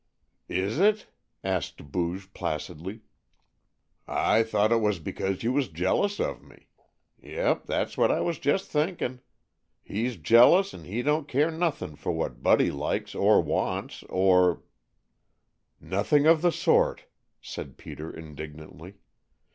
"Is it?" asked Booge placidly. "I thought it was because you was jealous of me. Yep, that's what I was just thinkin'. He's jealous and he don't care nothin' for what Buddy likes, or wants, or " "Nothing of the sort," said Peter indignantly.